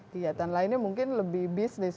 kegiatan lainnya mungkin lebih bisnis